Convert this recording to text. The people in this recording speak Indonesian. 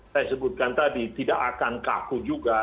saya sebutkan tadi tidak akan kaku juga